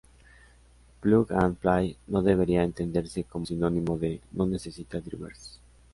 Plug and Play no debería entenderse como sinónimo de "no necesita drivers".